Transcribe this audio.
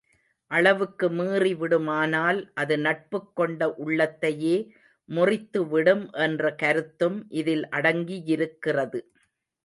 அளவுக்கு மீறி விடுமானால், அது நட்புக் கொண்ட உள்ளத்தையே முறித்துவிடும் என்ற கருத்தும் இதில் அடங்கியிருக்கிறது.